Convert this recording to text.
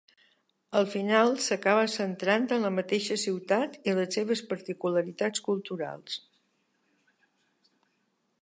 Al final, s’acaba centrant en la mateixa ciutat i les seves particularitats culturals.